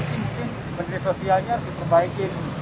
mungkin mentri sosialnya sisa baikin